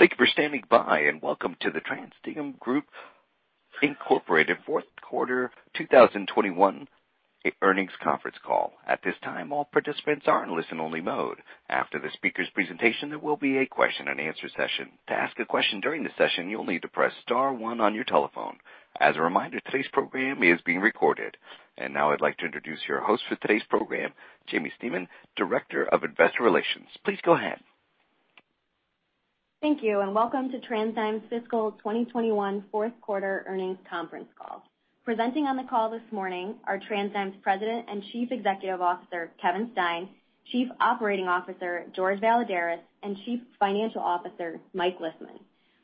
Thank you for standing by, and welcome to the TransDigm Group Incorporated Fourth Quarter 2021 Earnings Conference Call. At this time, all participants are in listen-only mode. After the speaker's presentation, there will be a question-and-answer session. To ask a question during the session, you'll need to press star one on your telephone. As a reminder, today's program is being recorded. Now I'd like to introduce your host for today's program, Jaimie Stemen, Director of Investor Relations. Please go ahead. Thank you, and welcome to TransDigm's Fiscal 2021 Fourth Quarter Earnings Conference Call. Presenting on the call this morning are TransDigm's President and Chief Executive Officer, Kevin Stein, Chief Operating Officer, Jorge Valladares, and Chief Financial Officer, Mike Lisman.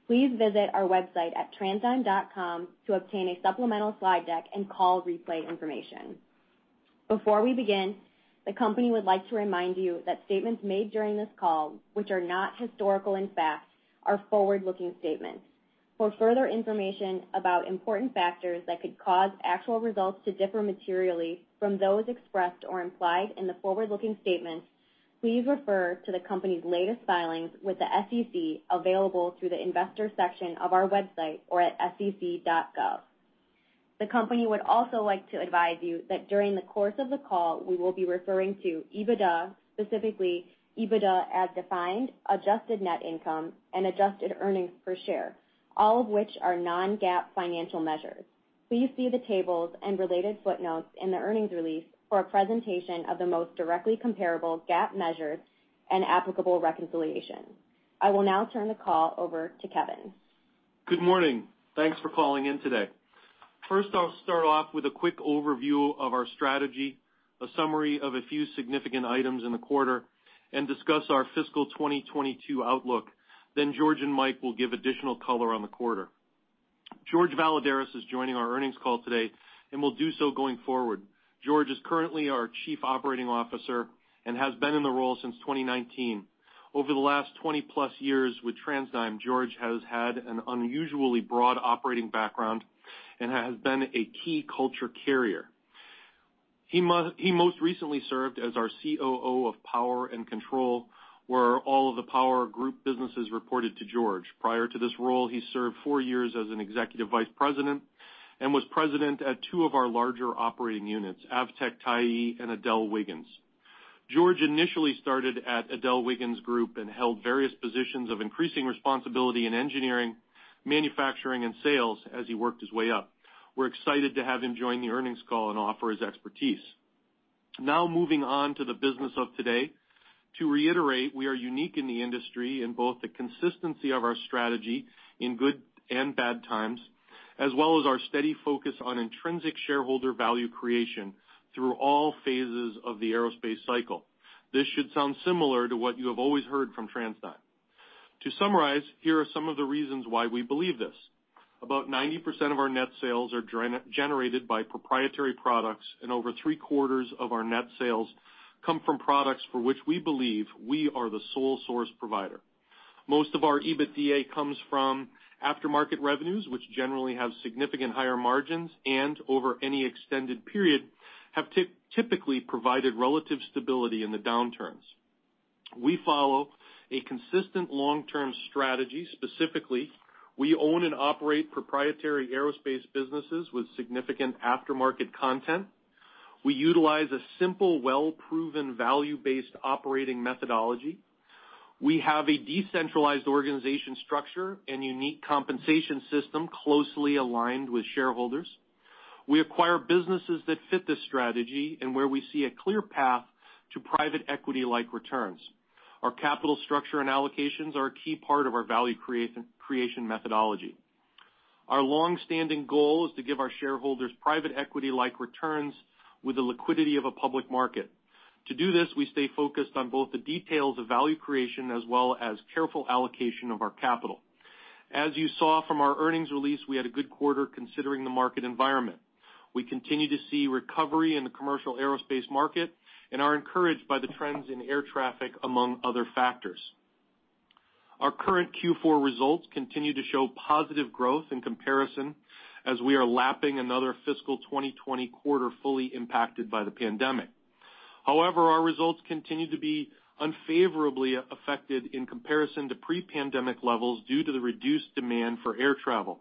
Please visit our website at transdigm.com to obtain a supplemental slide deck and call replay information. Before we begin, the company would like to remind you that statements made during this call which are not historical in fact are forward-looking statements. For further information about important factors that could cause actual results to differ materially from those expressed or implied in the forward-looking statements, please refer to the company's latest filings with the SEC available through the Investor section of our website or at sec.gov. The company would also like to advise you that during the course of the call, we will be referring to EBITDA, specifically EBITDA as defined, adjusted net income, and adjusted earnings per share, all of which are non-GAAP financial measures. Please see the tables and related footnotes in the earnings release for a presentation of the most directly comparable GAAP measures and applicable reconciliation. I will now turn the call over to Kevin. Good morning. Thanks for calling in today. First, I'll start off with a quick overview of our strategy, a summary of a few significant items in the quarter, and discuss our fiscal 2022 outlook. Then Jorge and Mike will give additional color on the quarter. Jorge Valladares is joining our earnings call today and will do so going forward. Jorge is currently our Chief Operating Officer and has been in the role since 2019. Over the last 20+ years with TransDigm, Jorge has had an unusually broad operating background and has been a key culture carrier. He most recently served as our COO of Power & Control, where all of the power group businesses reported to Jorge. Prior to this role, he served four years as an Executive Vice President and was President at two of our larger operating units, AvtechTyee and AdelWiggins. Jorge initially started at AdelWiggins Group and held various positions of increasing responsibility in engineering, manufacturing, and sales as he worked his way up. We're excited to have him join the earnings call and offer his expertise. Now moving on to the business of today. To reiterate, we are unique in the industry in both the consistency of our strategy in good and bad times, as well as our steady focus on intrinsic shareholder value creation through all phases of the aerospace cycle. This should sound similar to what you have always heard from TransDigm. To summarize, here are some of the reasons why we believe this. About 90% of our net sales are generated by proprietary products, and over three-quarters of our net sales come from products for which we believe we are the sole source provider. Most of our EBITDA comes from aftermarket revenues, which generally have significant higher margins and, over any extended period, have typically provided relative stability in the downturns. We follow a consistent long-term strategy. Specifically, we own and operate proprietary aerospace businesses with significant aftermarket content. We utilize a simple, well-proven, value-based operating methodology. We have a decentralized organization structure and unique compensation system closely aligned with shareholders. We acquire businesses that fit this strategy and where we see a clear path to private equity-like returns. Our capital structure and allocations are a key part of our value creation methodology. Our long-standing goal is to give our shareholders private equity-like returns with the liquidity of a public market. To do this, we stay focused on both the details of value creation as well as careful allocation of our capital. As you saw from our earnings release, we had a good quarter considering the market environment. We continue to see recovery in the commercial aerospace market and are encouraged by the trends in air traffic, among other factors. Our current Q4 results continue to show positive growth in comparison as we are lapping another fiscal 2020 quarter fully impacted by the pandemic. However, our results continue to be unfavorably affected in comparison to pre-pandemic levels due to the reduced demand for air travel.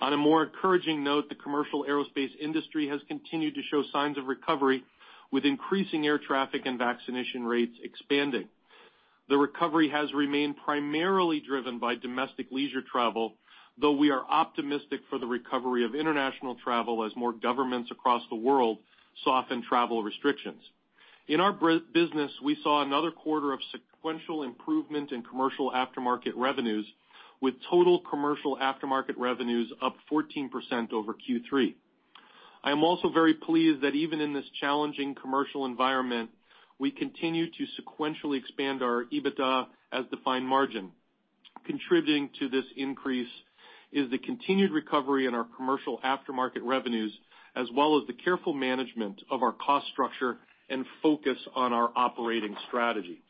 On a more encouraging note, the commercial aerospace industry has continued to show signs of recovery with increasing air traffic and vaccination rates expanding. The recovery has remained primarily driven by domestic leisure travel, though we are optimistic for the recovery of international travel as more governments across the world soften travel restrictions. In our business, we saw another quarter of sequential improvement in commercial aftermarket revenues, with total commercial aftermarket revenues up 14% over Q3. I am also very pleased that even in this challenging commercial environment, we continue to sequentially expand our EBITDA as defined margin. Contributing to this increase is the continued recovery in our commercial aftermarket revenues as well as the careful management of our cost structure and focus on our operating strategy.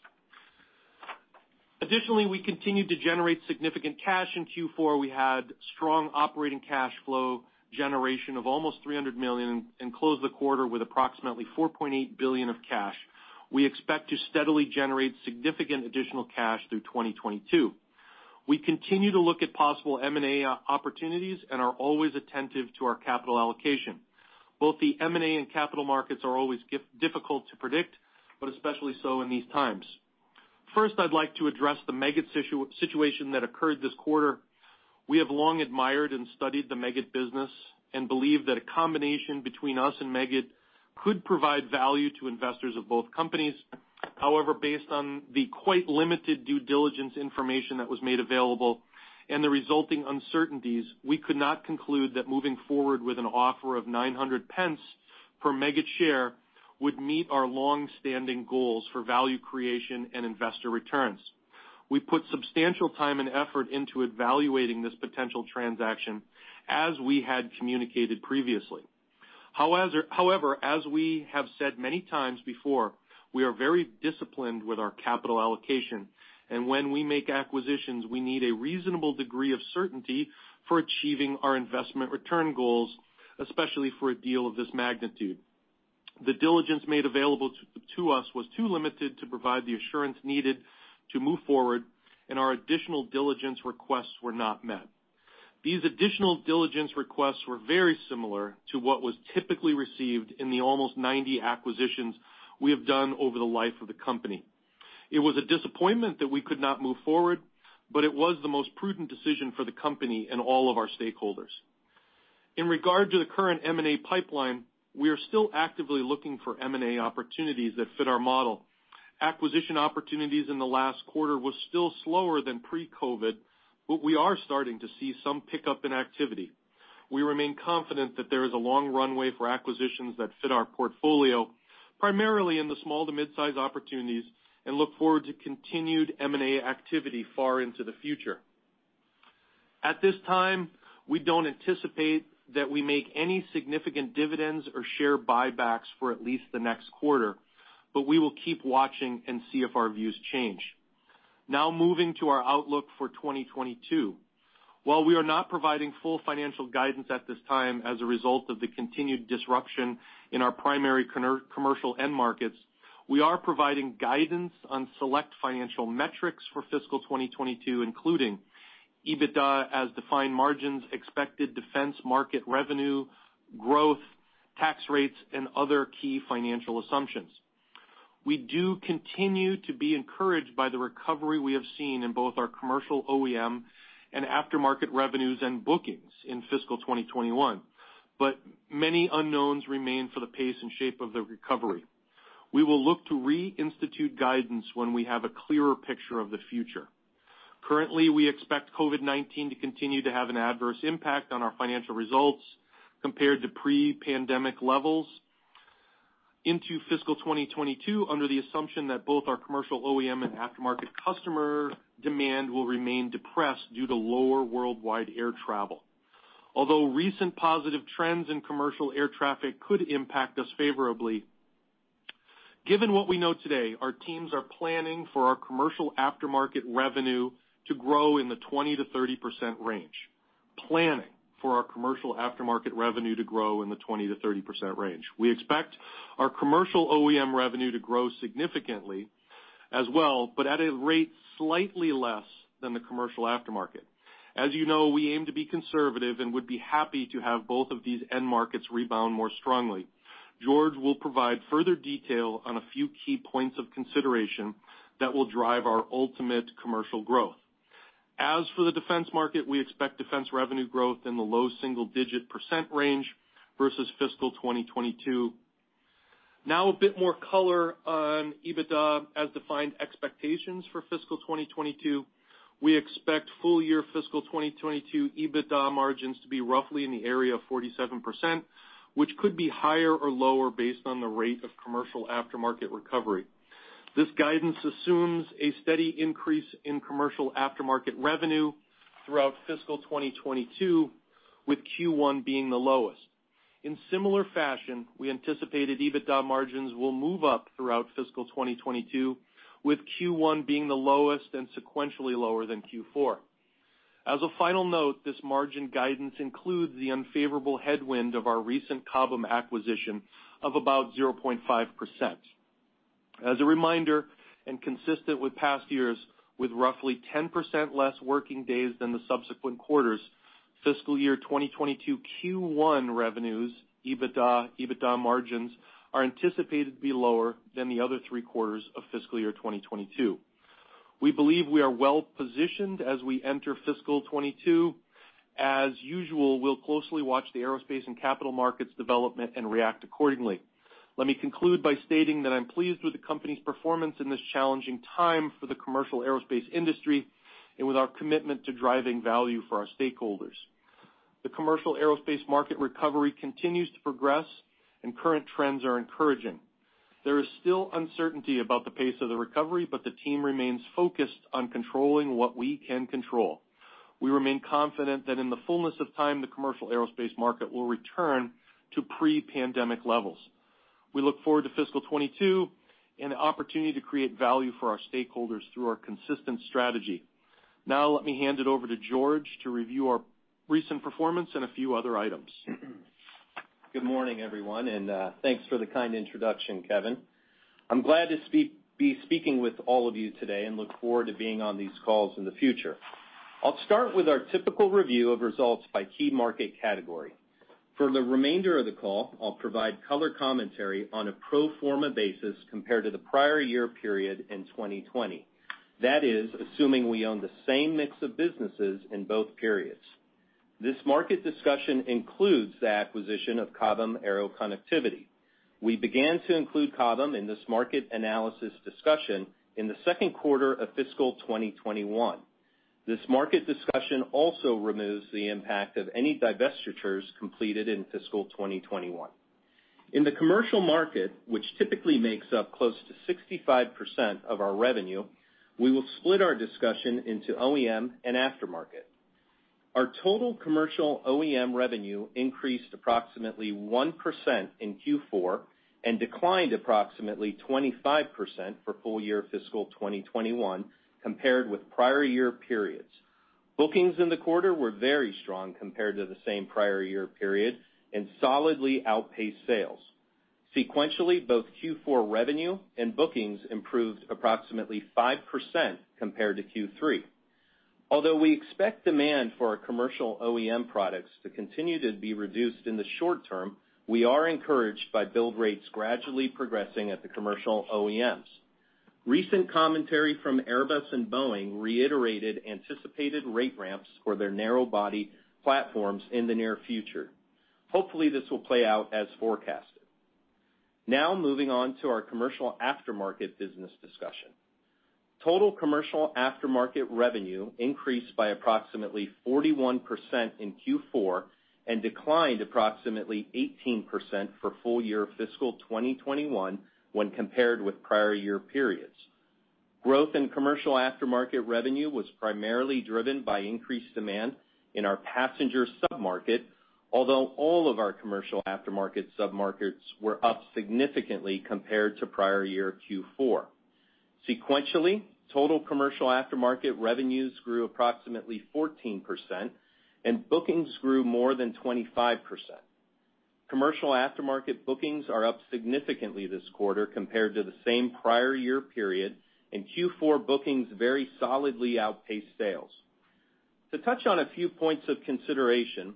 Additionally, we continued to generate significant cash in Q4. We had strong operating cash flow generation of almost $300 million and closed the quarter with approximately $4.8 billion of cash. We expect to steadily generate significant additional cash through 2022. We continue to look at possible M&A opportunities and are always attentive to our capital allocation. Both the M&A and capital markets are always difficult to predict, but especially so in these times. First, I'd like to address the Meggitt situation that occurred this quarter. We have long admired and studied the Meggitt business and believe that a combination between us and Meggitt could provide value to investors of both companies. However, based on the quite limited due diligence information that was made available and the resulting uncertainties, we could not conclude that moving forward with an offer of 9.00 per Meggitt share would meet our long-standing goals for value creation and investor returns. We put substantial time and effort into evaluating this potential transaction as we had communicated previously. However, as we have said many times before, we are very disciplined with our capital allocation, and when we make acquisitions, we need a reasonable degree of certainty for achieving our investment return goals, especially for a deal of this magnitude. The diligence made available to us was too limited to provide the assurance needed to move forward, and our additional diligence requests were not met. These additional diligence requests were very similar to what was typically received in the almost 90 acquisitions we have done over the life of the company. It was a disappointment that we could not move forward, but it was the most prudent decision for the company and all of our stakeholders. In regard to the current M&A pipeline, we are still actively looking for M&A opportunities that fit our model. Acquisition opportunities in the last quarter were still slower than pre-COVID, but we are starting to see some pickup in activity. We remain confident that there is a long runway for acquisitions that fit our portfolio, primarily in the small to midsize opportunities, and look forward to continued M&A activity far into the future. At this time, we don't anticipate that we make any significant dividends or share buybacks for at least the next quarter, but we will keep watching and see if our views change. Now moving to our outlook for 2022. While we are not providing full financial guidance at this time as a result of the continued disruption in our primary commercial end markets, we are providing guidance on select financial metrics for fiscal 2022, including EBITDA as defined margins, expected defense market revenue, growth, tax rates, and other key financial assumptions. We do continue to be encouraged by the recovery we have seen in both our commercial OEM and aftermarket revenues and bookings in fiscal 2021, but many unknowns remain for the pace and shape of the recovery. We will look to reinstitute guidance when we have a clearer picture of the future. Currently, we expect COVID-19 to continue to have an adverse impact on our financial results compared to pre-pandemic levels into fiscal 2022, under the assumption that both our commercial OEM and aftermarket customer demand will remain depressed due to lower worldwide air travel. Although recent positive trends in commercial air traffic could impact us favorably. Given what we know today, our teams are planning for our commercial aftermarket revenue to grow in the 20%-30% range. We expect our commercial OEM revenue to grow significantly as well, but at a rate slightly less than the commercial aftermarket. As you know, we aim to be conservative and would be happy to have both of these end markets rebound more strongly. Jorge will provide further detail on a few key points of consideration that will drive our ultimate commercial growth. As for the defense market, we expect defense revenue growth in the low single-digit percent range versus fiscal 2022. Now a bit more color on EBITDA as defined expectations for fiscal 2022. We expect full-year fiscal 2022 EBITDA margins to be roughly in the area of 47%, which could be higher or lower based on the rate of commercial aftermarket recovery. This guidance assumes a steady increase in commercial aftermarket revenue throughout fiscal 2022, with Q1 being the lowest. In similar fashion, we anticipated EBITDA margins will move up throughout fiscal 2022, with Q1 being the lowest and sequentially lower than Q4. As a final note, this margin guidance includes the unfavorable headwind of our recent Cobham acquisition of about 0.5%. As a reminder, and consistent with past years, with roughly 10% less working days than the subsequent quarters, fiscal year 2022 Q1 revenues, EBITDA margins, are anticipated to be lower than the other three quarters of fiscal year 2022. We believe we are well-positioned as we enter fiscal 2022. As usual, we'll closely watch the aerospace and capital markets development and react accordingly. Let me conclude by stating that I'm pleased with the company's performance in this challenging time for the commercial aerospace industry and with our commitment to driving value for our stakeholders. The commercial aerospace market recovery continues to progress, and current trends are encouraging. There is still uncertainty about the pace of the recovery, but the team remains focused on controlling what we can control. We remain confident that in the fullness of time, the commercial aerospace market will return to pre-pandemic levels. We look forward to fiscal 2022 and the opportunity to create value for our stakeholders through our consistent strategy. Now let me hand it over to Jorge to review our recent performance and a few other items. Good morning, everyone, and thanks for the kind introduction, Kevin. I'm glad to be speaking with all of you today and look forward to being on these calls in the future. I'll start with our typical review of results by key market category. For the remainder of the call, I'll provide color commentary on a pro forma basis compared to the prior year period in 2020. That is, assuming we own the same mix of businesses in both periods. This market discussion includes the acquisition of Cobham Aero Connectivity. We began to include Cobham in this market analysis discussion in the second quarter of fiscal 2021. This market discussion also removes the impact of any divestitures completed in fiscal 2021. In the commercial market, which typically makes up close to 65% of our revenue, we will split our discussion into OEM and aftermarket. Our total commercial OEM revenue increased approximately 1% in Q4, and declined approximately 25% for full year fiscal 2021 compared with prior year periods. Bookings in the quarter were very strong compared to the same prior year period, and solidly outpaced sales. Sequentially, both Q4 revenue and bookings improved approximately 5% compared to Q3. Although we expect demand for our commercial OEM products to continue to be reduced in the short term, we are encouraged by build rates gradually progressing at the commercial OEMs. Recent commentary from Airbus and Boeing reiterated anticipated rate ramps for their narrow-body platforms in the near future. Hopefully, this will play out as forecasted. Now moving on to our commercial aftermarket business discussion. Total commercial aftermarket revenue increased by approximately 41% in Q4, and declined approximately 18% for full year fiscal 2021 when compared with prior year periods. Growth in commercial aftermarket revenue was primarily driven by increased demand in our passenger sub-market, although all of our commercial aftermarket sub-markets were up significantly compared to prior year Q4. Sequentially, total commercial aftermarket revenues grew approximately 14%, and bookings grew more than 25%. Commercial aftermarket bookings are up significantly this quarter compared to the same prior year period, and Q4 bookings very solidly outpaced sales. To touch on a few points of consideration,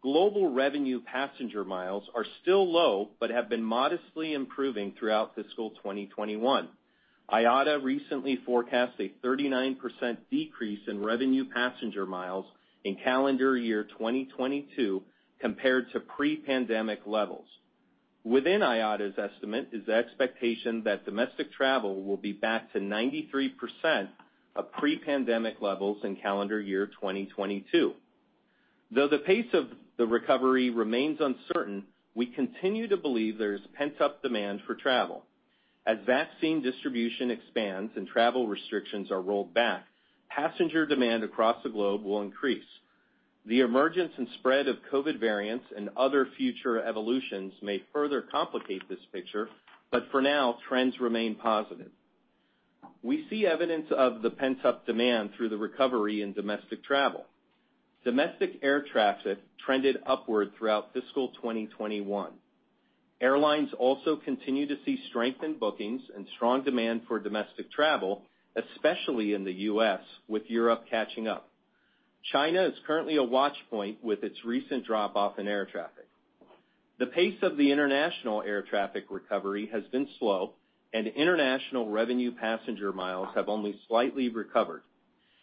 global revenue passenger miles are still low, but have been modestly improving throughout fiscal 2021. IATA recently forecast a 39% decrease in revenue passenger miles in calendar year 2022 compared to pre-pandemic levels. Within IATA's estimate is the expectation that domestic travel will be back to 93% of pre-pandemic levels in calendar year 2022. Though the pace of the recovery remains uncertain, we continue to believe there's pent-up demand for travel. As vaccine distribution expands and travel restrictions are rolled back, passenger demand across the globe will increase. The emergence and spread of COVID variants and other future evolutions may further complicate this picture, but for now, trends remain positive. We see evidence of the pent-up demand through the recovery in domestic travel. Domestic air traffic trended upward throughout fiscal 2021. Airlines also continue to see strength in bookings and strong demand for domestic travel, especially in the U.S., with Europe catching up. China is currently a watch point with its recent drop-off in air traffic. The pace of the international air traffic recovery has been slow, and international revenue passenger miles have only slightly recovered.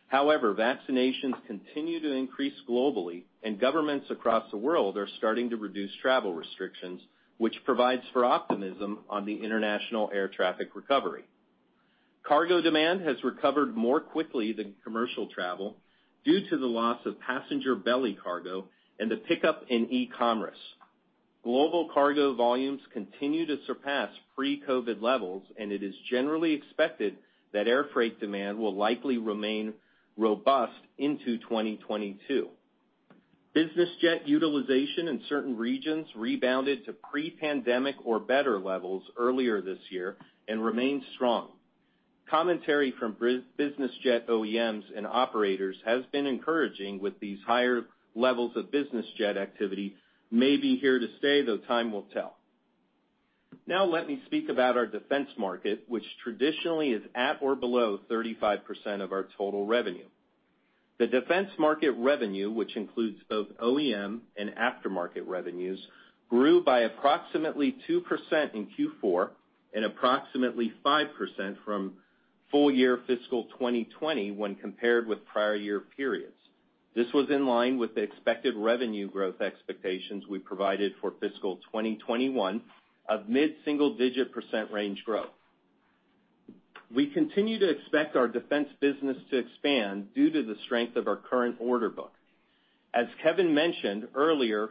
However, vaccinations continue to increase globally, and governments across the world are starting to reduce travel restrictions, which provides for optimism on the international air traffic recovery. Cargo demand has recovered more quickly than commercial travel due to the loss of passenger belly cargo and the pickup in e-commerce. Global cargo volumes continue to surpass pre-COVID levels, and it is generally expected that air freight demand will likely remain robust into 2022. Business jet utilization in certain regions rebounded to pre-pandemic or better levels earlier this year and remains strong. Commentary from business jet OEMs and operators has been encouraging with these higher levels of business jet activity may be here to stay, though time will tell. Now let me speak about our defense market, which traditionally is at or below 35% of our total revenue. The defense market revenue, which includes both OEM and aftermarket revenues, grew by approximately 2% in Q4, and approximately 5% for full year fiscal 2020 when compared with prior year periods. This was in line with the expected revenue growth expectations we provided for fiscal 2021 of mid-single-digit % range growth. We continue to expect our defense business to expand due to the strength of our current order book. As Kevin mentioned earlier,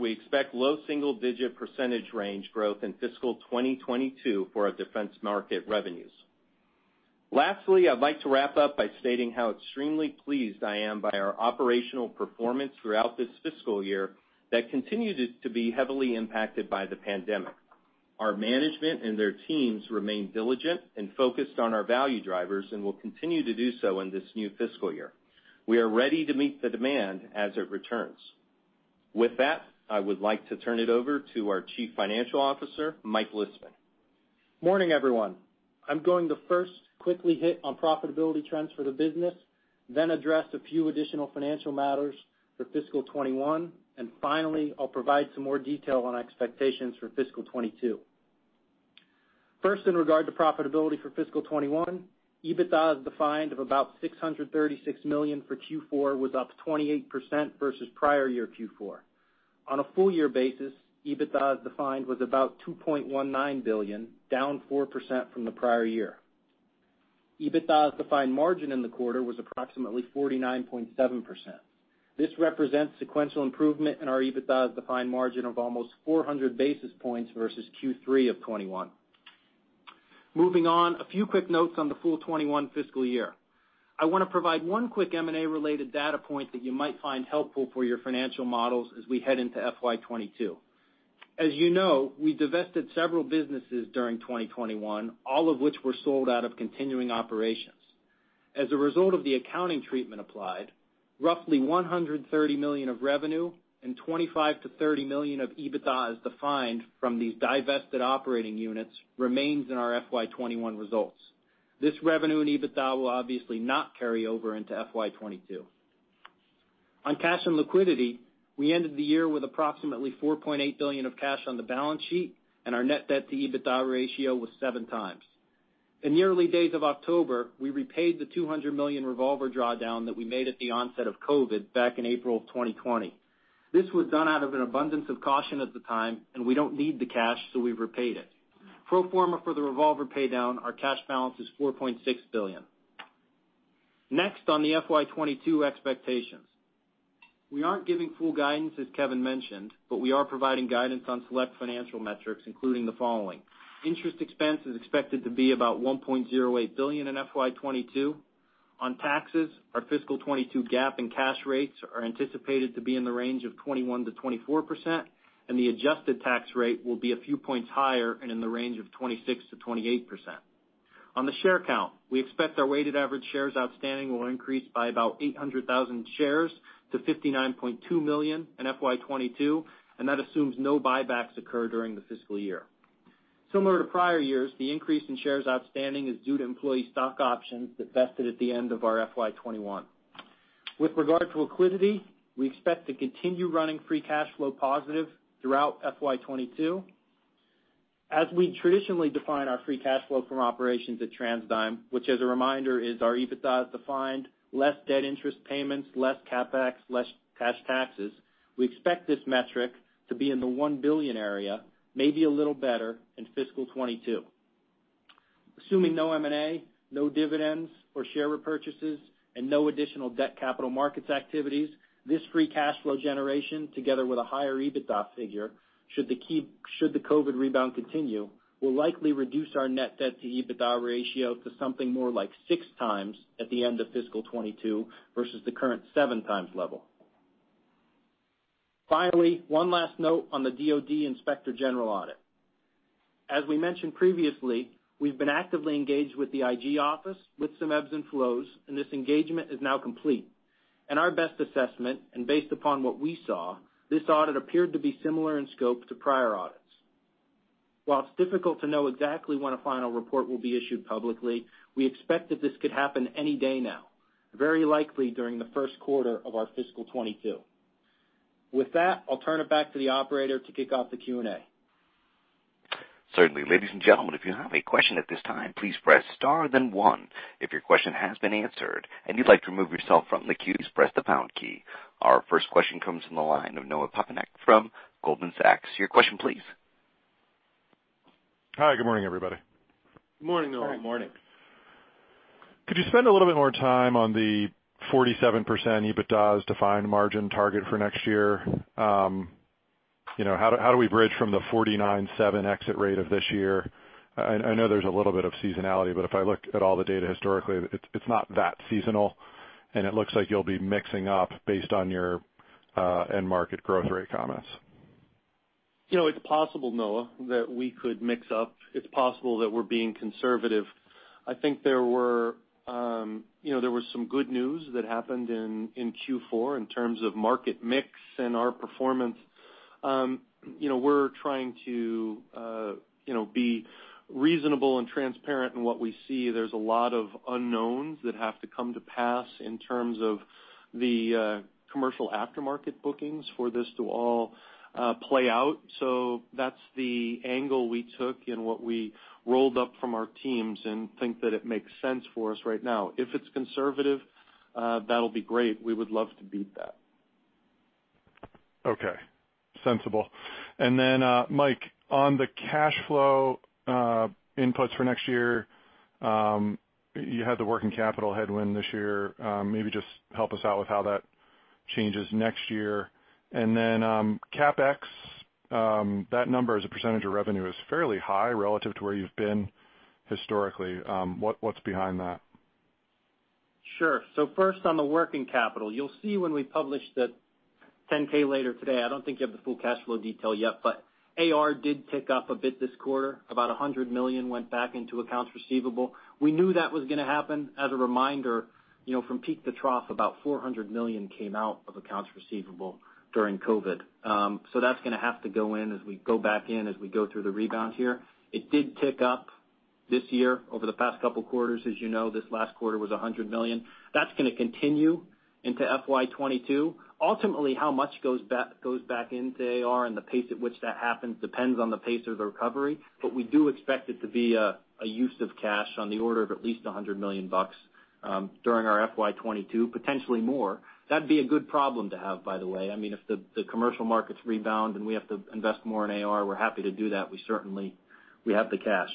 we expect low single-digit % range growth in fiscal 2022 for our defense market revenues. Lastly, I'd like to wrap up by stating how extremely pleased I am by our operational performance throughout this fiscal year that continued to be heavily impacted by the pandemic. Our management and their teams remain diligent and focused on our value drivers and will continue to do so in this new fiscal year. We are ready to meet the demand as it returns. With that, I would like to turn it over to our Chief Financial Officer, Mike Lisman. Morning, everyone. I'm going to first quickly hit on profitability trends for the business, then address a few additional financial matters for fiscal 2021. Finally, I'll provide some more detail on expectations for fiscal 2022. First, in regard to profitability for fiscal 2021, EBITDA as defined of about $636 million for Q4 was up 28% versus prior year Q4. On a full year basis, EBITDA as defined was about $2.19 billion, down 4% from the prior year. EBITDA as defined margin in the quarter was approximately 49.7%. This represents sequential improvement in our EBITDA as defined margin of almost 400 basis points versus Q3 of 2021. Moving on, a few quick notes on the full 2021 fiscal year. I wanna provide one quick M&A-related data point that you might find helpful for your financial models as we head into FY 2022. As you know, we divested several businesses during 2021, all of which were sold out of continuing operations. As a result of the accounting treatment applied, roughly $130 million of revenue and $25 million-$30 million of EBITDA as defined from these divested operating units remains in our FY 2021 results. This revenue and EBITDA will obviously not carry over into FY 2022. On cash and liquidity, we ended the year with approximately $4.8 billion of cash on the balance sheet, and our net debt to EBITDA ratio was 7x. In the early days of October, we repaid the $200 million revolver drawdown that we made at the onset of COVID back in April of 2020. This was done out of an abundance of caution at the time, and we don't need the cash, so we've repaid it. Pro forma for the revolver paydown, our cash balance is $4.6 billion. Next on the FY 2022 expectations. We aren't giving full guidance, as Kevin mentioned, but we are providing guidance on select financial metrics, including the following. Interest expense is expected to be about $1.08 billion in FY 2022. On taxes, our fiscal 2022 GAAP and cash rates are anticipated to be in the range of 21%-24%, and the adjusted tax rate will be a few points higher and in the range of 26%-28%. On the share count, we expect our weighted average shares outstanding will increase by about 800,000 shares to 59.2 million in FY 2022, and that assumes no buybacks occur during the fiscal year. Similar to prior years, the increase in shares outstanding is due to employee stock options that vested at the end of our FY 2021. With regard to liquidity, we expect to continue running free cash flow positive throughout FY 2022. As we traditionally define our free cash flow from operations at TransDigm, which as a reminder is our EBITDA as defined, less debt interest payments, less CapEx, less cash taxes, we expect this metric to be in the $1 billion area, maybe a little better in fiscal 2022. Assuming no M&A, no dividends or share repurchases, and no additional debt capital markets activities, this free cash flow generation, together with a higher EBITDA figure, should the COVID rebound continue, will likely reduce our net debt to EBITDA ratio to something more like 6x at the end of fiscal 2022 versus the current 7x level. Finally, one last note on the DoD Inspector General audit. As we mentioned previously, we've been actively engaged with the IG office with some ebbs and flows, and this engagement is now complete. In our best assessment, and based upon what we saw, this audit appeared to be similar in scope to prior audits. While it's difficult to know exactly when a final report will be issued publicly, we expect that this could happen any day now, very likely during the first quarter of our fiscal 2022. With that, I'll turn it back to the operator to kick off the Q&A. Certainly. Ladies and gentlemen, if you have a question at this time, please press star then one. If your question has been answered and you'd like to remove yourself from the queues, press the pound key. Our first question comes from the line of Noah Poponak from Goldman Sachs. Your question please. Hi, good morning, everybody. Morning, Noah. Morning. Could you spend a little bit more time on the 47% EBITDA as defined margin target for next year? You know, how do we bridge from the 49.7% exit rate of this year? I know there's a little bit of seasonality, but if I look at all the data historically, it's not that seasonal, and it looks like you'll be mixing down based on your end market growth rate comments. You know, it's possible, Noah, that we could mix up. It's possible that we're being conservative. I think there was some good news that happened in Q4 in terms of market mix and our performance. You know, we're trying to be reasonable and transparent in what we see. There's a lot of unknowns that have to come to pass in terms of the commercial aftermarket bookings for this to all play out. That's the angle we took and what we rolled up from our teams and think that it makes sense for us right now. If it's conservative, that'll be great. We would love to beat that. Okay. Sensible. Mike, on the cash flow inputs for next year, you had the working capital headwind this year. Maybe just help us out with how that changes next year. CapEx, that number as a percentage of revenue is fairly high relative to where you've been historically. What's behind that? Sure. First on the working capital, you'll see when we publish the 10-K later today, I don't think you have the full cash flow detail yet, but AR did tick up a bit this quarter. About $100 million went back into accounts receivable. We knew that was gonna happen. As a reminder, you know, from peak to trough, about $400 million came out of accounts receivable during COVID. That's gonna have to go in as we go back in, as we go through the rebound here. It did tick up this year over the past couple quarters. As you know, this last quarter was $100 million. That's gonna continue into FY 2022. Ultimately, how much goes back into AR and the pace at which that happens depends on the pace of the recovery, but we do expect it to be a use of cash on the order of at least $100 million during our FY 2022, potentially more. That'd be a good problem to have, by the way. I mean, if the commercial markets rebound and we have to invest more in AR, we're happy to do that. We certainly have the cash.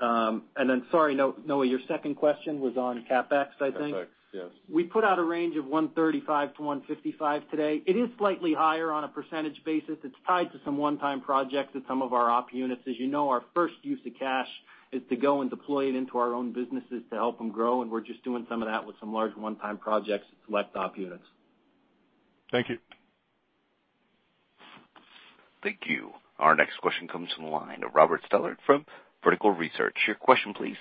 Sorry, Noah, your second question was on CapEx, I think. CapEx, yes. We put out a range of 135-155 today. It is slightly higher on a percentage basis. It's tied to some one-time projects at some of our op units. As you know, our first use of cash is to go and deploy it into our own businesses to help them grow, and we're just doing some of that with some large one-time projects at select op units. Thank you. Thank you. Our next question comes from the line of Robert Stallard from Vertical Research. Your question, please.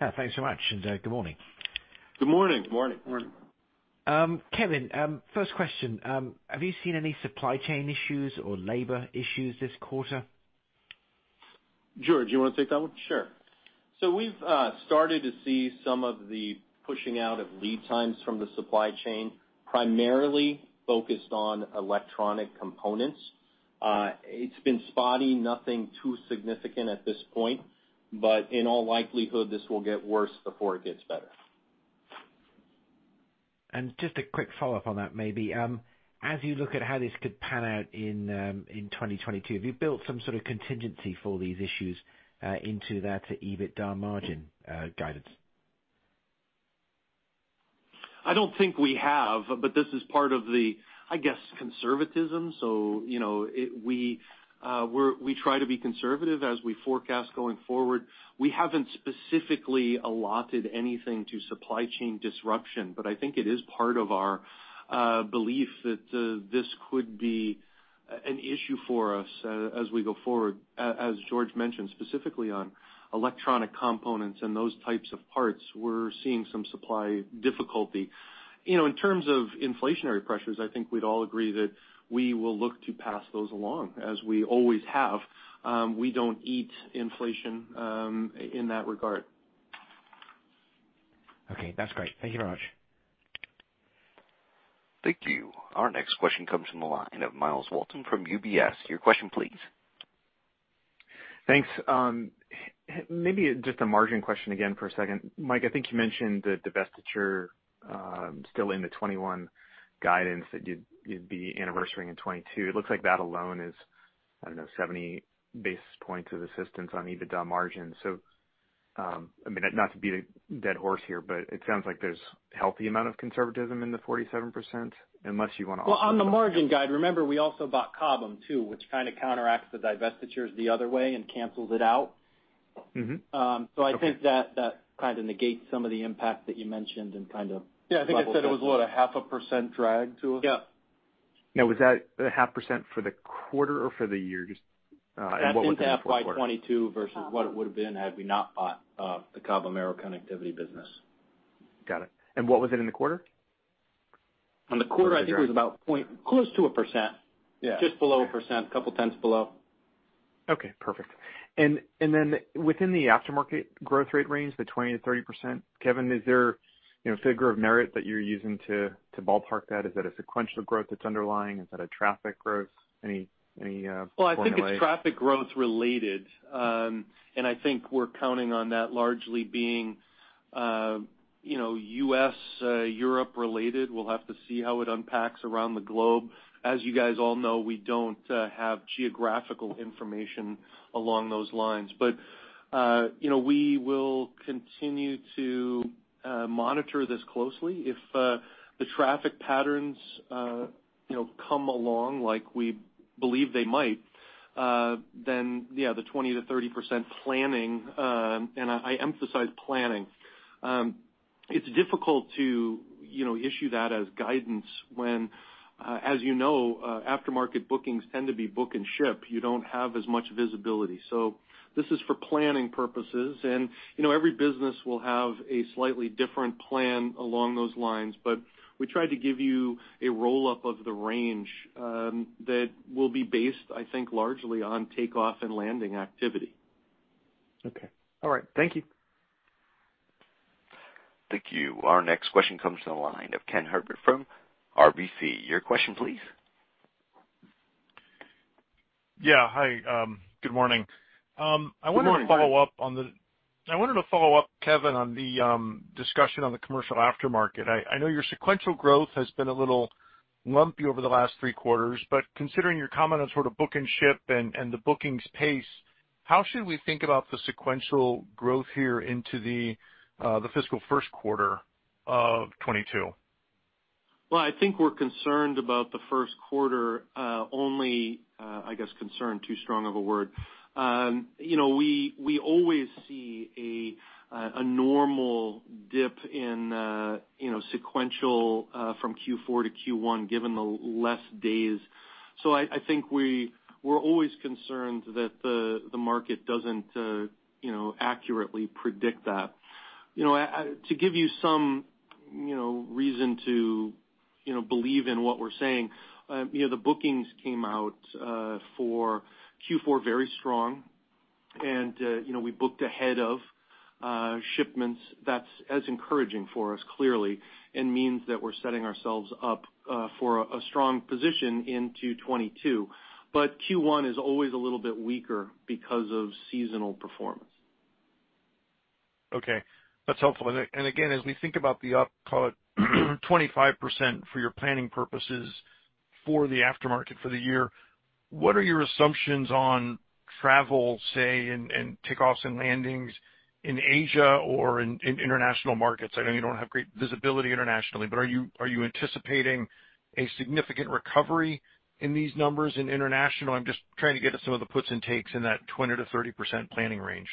Yeah. Thanks so much, and good morning. Good morning. Morning. Morning. Kevin, first question. Have you seen any supply chain issues or labor issues this quarter? Jorge, you wanna take that one? Sure. We've started to see some of the pushing out of lead times from the supply chain, primarily focused on electronic components. It's been spotty, nothing too significant at this point, but in all likelihood, this will get worse before it gets better. Just a quick follow-up on that maybe. As you look at how this could pan out in 2022, have you built some sort of contingency for these issues into that EBITDA margin guidance? I don't think we have, but this is part of the, I guess, conservatism. You know, we try to be conservative as we forecast going forward. We haven't specifically allotted anything to supply chain disruption, but I think it is part of our belief that this could be an issue for us as we go forward, as Jorge mentioned, specifically on electronic components and those types of parts. We're seeing some supply difficulty. You know, in terms of inflationary pressures, I think we'd all agree that we will look to pass those along as we always have. We don't eat inflation in that regard. Okay. That's great. Thank you very much. Thank you. Our next question comes from the line of Myles Walton from UBS. Your question, please. Thanks. Maybe just a margin question again for a second. Mike, I think you mentioned the divestiture still in the 2021 guidance that you'd be anniversarying in 2022. It looks like that alone is 70 basis points of assistance on EBITDA margins. I mean, not to beat a dead horse here, but it sounds like there's healthy amount of conservatism in the 47% unless you wanna offer- Well, on the margin guide, remember, we also bought Cobham too, which kind of counteracts the divestitures the other way and cancels it out. I think that kind of negates some of the impact that you mentioned and kind of levels it. Yeah. I think I said it was, what, a half a percent drag to it? Yeah. Now, was that a half percent for the quarter or for the year? Just, and what was it in the quarter? That's into FY 2022 versus what it would've been had we not bought the Cobham Aero Connectivity business. Got it. What was it in the quarter? On the quarter, I think it was close to 1%. Yeah. Just below 1%, a couple tens below. Okay. Perfect. Within the aftermarket growth rate range, the 20%-30%, Kevin, is there, you know, a figure of merit that you're using to ballpark that? Is that a sequential growth that's underlying? Is that a traffic growth? Any point of light? Well, I think it's traffic growth related. I think we're counting on that largely being, you know, U.S., Europe related. We'll have to see how it unpacks around the globe. As you guys all know, we don't have geographical information along those lines. You know, we will continue to monitor this closely. If the traffic patterns, you know, come along like we believe they might, then yeah, the 20%-30% planning, and I emphasize planning. It's difficult to, you know, issue that as guidance when, as you know, aftermarket bookings tend to be book and ship. You don't have as much visibility. This is for planning purposes. You know, every business will have a slightly different plan along those lines. We tried to give you a roll-up of the range, that will be based, I think, largely on takeoff and landing activity. Okay. All right. Thank you. Thank you. Our next question comes to the line of Ken Herbert from RBC. Your question, please. Yeah. Hi. Good morning. Good morning, Ken. I wanted to follow up, Kevin, on the discussion on the commercial aftermarket. I know your sequential growth has been a little lumpy over the last three quarters, but considering your comment on sort of book and ship and the bookings pace, how should we think about the sequential growth here into the fiscal first quarter of 2022? Well, I think we're concerned about the first quarter, only, I guess concerned too strong of a word. You know, we always see a normal dip in, you know, sequential, from Q4 to Q1, given the less days. I think we're always concerned that the market doesn't, you know, accurately predict that. You know, to give you some, you know, reason to, you know, believe in what we're saying, you know, the bookings came out, for Q4 very strong. You know, we booked ahead of shipments. That's encouraging for us, clearly, and means that we're setting ourselves up, for a strong position into 2022. Q1 is always a little bit weaker because of seasonal performance. Okay, that's helpful. Again, as we think about the up, call it, 25% for your planning purposes for the aftermarket for the year, what are your assumptions on travel, say, and takeoffs and landings in Asia or in international markets? I know you don't have great visibility internationally, but are you anticipating a significant recovery in these numbers in international? I'm just trying to get at some of the puts and takes in that 20%-30% planning range.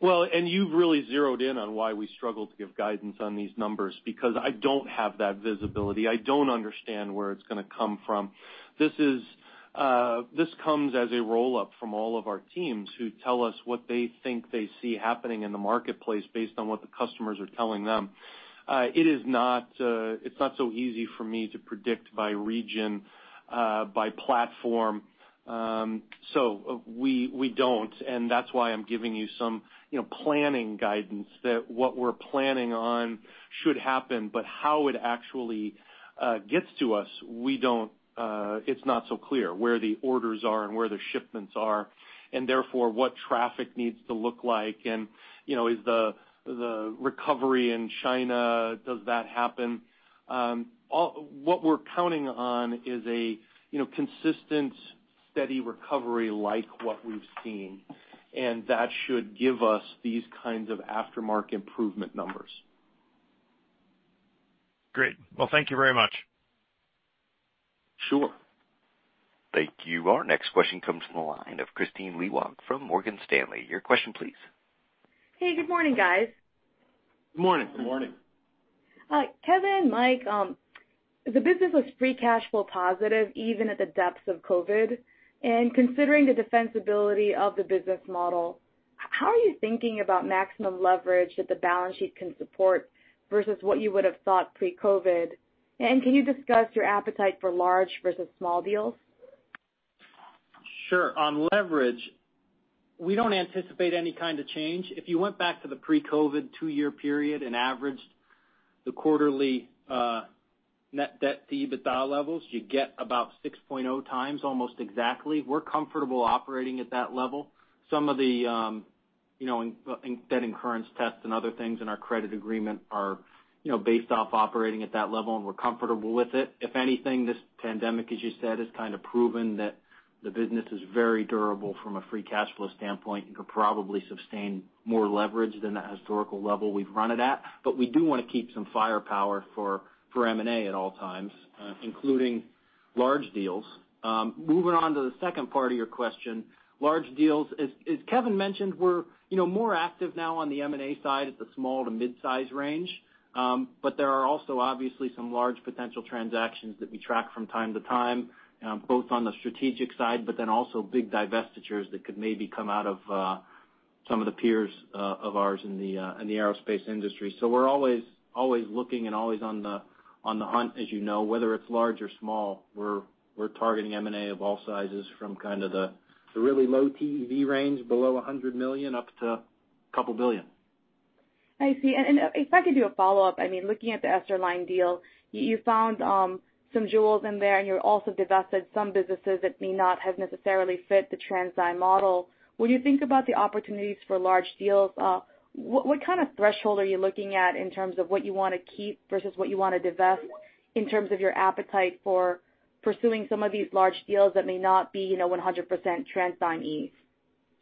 Well, you've really zeroed in on why we struggle to give guidance on these numbers because I don't have that visibility. I don't understand where it's gonna come from. This comes as a roll-up from all of our teams who tell us what they think they see happening in the marketplace based on what the customers are telling them. It's not so easy for me to predict by region, by platform. We don't, and that's why I'm giving you some, you know, planning guidance that what we're planning on should happen, but how it actually gets to us, we don't, it's not so clear where the orders are and where the shipments are, and therefore, what traffic needs to look like. You know, is the recovery in China, does that happen? All... What we're counting on is a, you know, consistent, steady recovery like what we've seen, and that should give us these kinds of aftermarket improvement numbers. Great. Well, thank you very much. Sure. Thank you. Our next question comes from the line of Kristine Liwag from Morgan Stanley. Your question, please. Hey, good morning, guys. Good morning. Good morning. Kevin, Mike, the business was free cash flow positive even at the depths of COVID. Considering the defensibility of the business model, how are you thinking about maximum leverage that the balance sheet can support versus what you would have thought pre-COVID? Can you discuss your appetite for large versus small deals? Sure. On leverage, we don't anticipate any kind of change. If you went back to the pre-COVID two-year period and averaged the quarterly net debt to EBITDA levels, you get about 6.0x almost exactly. We're comfortable operating at that level. Some of the, you know, in debt incurrence tests and other things in our credit agreement are, you know, based off operating at that level, and we're comfortable with it. If anything, this pandemic, as you said, has kind of proven that the business is very durable from a free cash flow standpoint and could probably sustain more leverage than the historical level we've run it at. But we do wanna keep some firepower for M&A at all times, including large deals. Moving on to the second part of your question, large deals. As Kevin mentioned, we're, you know, more active now on the M&A side at the small to midsize range. There are also obviously some large potential transactions that we track from time to time, both on the strategic side, but then also big divestitures that could maybe come out of some of the peers of ours in the aerospace industry. We're always looking and always on the hunt, as you know, whether it's large or small. We're targeting M&A of all sizes from kind of the really low TEV range below $100 million, up to $2 billion. I see. If I could do a follow-up, I mean, looking at the Esterline deal, you found some jewels in there, and you also divested some businesses that may not have necessarily fit the TransDigm model. When you think about the opportunities for large deals, what kind of threshold are you looking at in terms of what you wanna keep versus what you wanna divest in terms of your appetite for pursuing some of these large deals that may not be, you know, 100% TransDigm-y?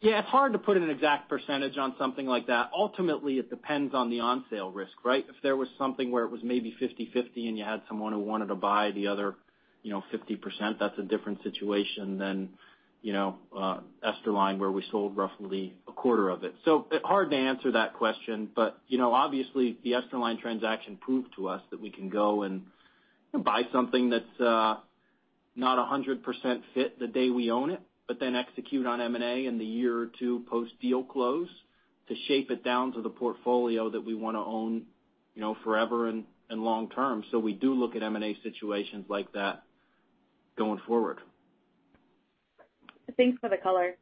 Yeah, it's hard to put an exact percentage on something like that. Ultimately, it depends on the on-sale risk, right? If there was something where it was maybe 50-50, and you had someone who wanted to buy the other, you know, 50%, that's a different situation than, you know, Esterline, where we sold roughly a quarter of it. Hard to answer that question, but, you know, obviously, the Esterline transaction proved to us that we can go and buy something that's not a 100% fit the day we own it, but then execute on M&A in the year or two post-deal close to shape it down to the portfolio that we wanna own, you know, forever and long term. We do look at M&A situations like that going forward. Thanks for the color.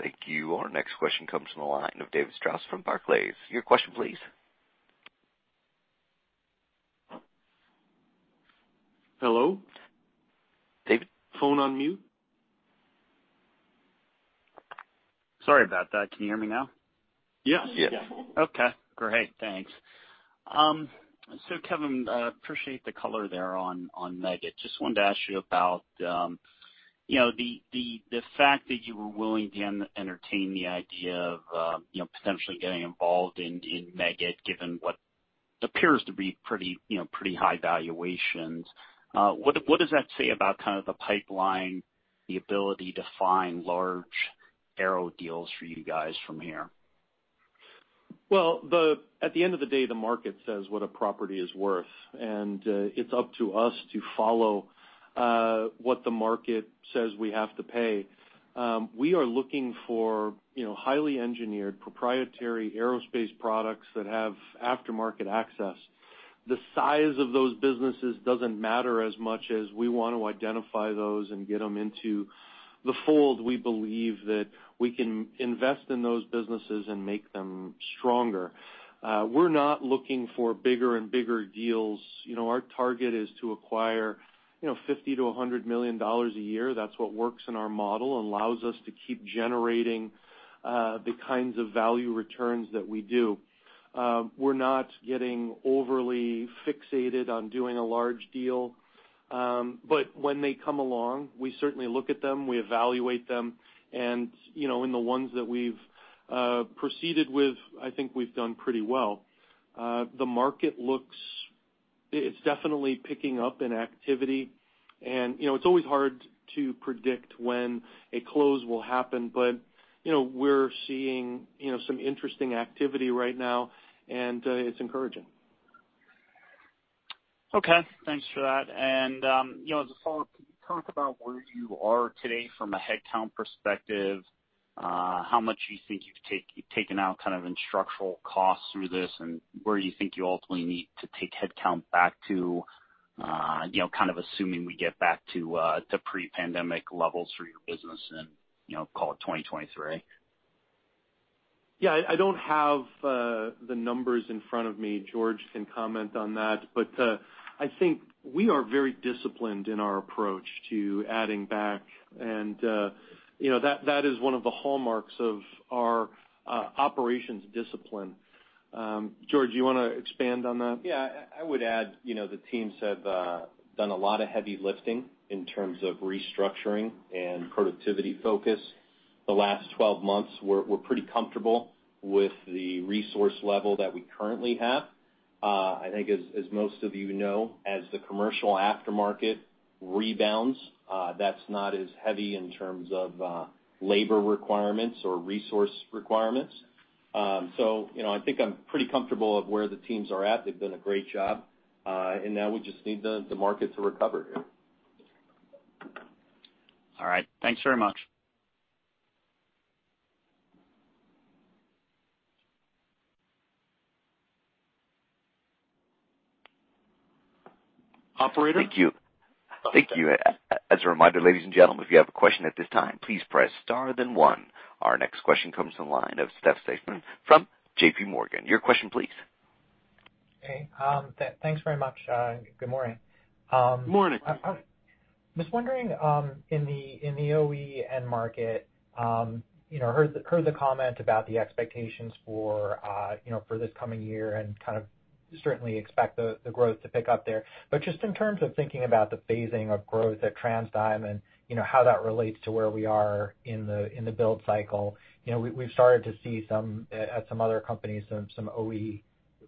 Thank you. Our next question comes from the line of David Strauss from Barclays. Your question please. Hello? David? Phone on mute. Sorry about that. Can you hear me now? Yes. Yes. Okay, great. Thanks. Kevin, appreciate the color there on Meggitt. Just wanted to ask you about You know, the fact that you were willing to entertain the idea of, you know, potentially getting involved in Meggitt, given what appears to be pretty, you know, pretty high valuations, what does that say about kind of the pipeline, the ability to find large aero deals for you guys from here? Well, at the end of the day, the market says what a property is worth, and it's up to us to follow what the market says we have to pay. We are looking for, you know, highly engineered proprietary aerospace products that have aftermarket access. The size of those businesses doesn't matter as much as we want to identify those and get them into the fold. We believe that we can invest in those businesses and make them stronger. We're not looking for bigger and bigger deals. You know, our target is to acquire, you know, $50 million-$100 million a year. That's what works in our model and allows us to keep generating the kinds of value returns that we do. We're not getting overly fixated on doing a large deal. When they come along, we certainly look at them, we evaluate them. You know, in the ones that we've proceeded with, I think we've done pretty well. The market looks. It's definitely picking up in activity. You know, it's always hard to predict when a close will happen, but you know, we're seeing, you know, some interesting activity right now, and it's encouraging. Okay, thanks for that. You know, as a follow-up, can you talk about where you are today from a headcount perspective? How much do you think you've taken out kind of in structural costs through this, and where do you think you ultimately need to take headcount back to, you know, kind of assuming we get back to pre-pandemic levels for your business in, you know, call it 2023? Yeah. I don't have the numbers in front of me. Jorge can comment on that. I think we are very disciplined in our approach to adding back. You know, that is one of the hallmarks of our operations discipline. Jorge, do you wanna expand on that? Yeah. I would add, you know, the teams have done a lot of heavy lifting in terms of restructuring and productivity focus the last 12 months. We're pretty comfortable with the resource level that we currently have. I think as most of you know, as the commercial aftermarket rebounds, that's not as heavy in terms of labor requirements or resource requirements. You know, I think I'm pretty comfortable of where the teams are at. They've done a great job, and now we just need the market to recover here. All right. Thanks very much. Operator? Thank you. As a reminder, ladies and gentlemen, if you have a question at this time, please press star then one. Our next question comes from the line of Seth Seifman from JPMorgan. Your question please. Hey, thanks very much. Good morning. Good morning. I'm just wondering, in the OE end market, you know, heard the comment about the expectations for, you know, for this coming year and kind of certainly expect the growth to pick up there. Just in terms of thinking about the phasing of growth at TransDigm and, you know, how that relates to where we are in the build cycle, you know, we've started to see some at some other companies, some OE